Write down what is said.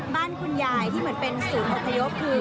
บ้านคุณยายที่เหมือนเป็นศูนย์อพยพคือ